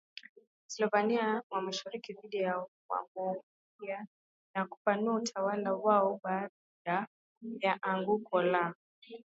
Waslavoni wa Mashariki dhidi ya Wamongolia na kupanua utawala waoBaada ya anguko la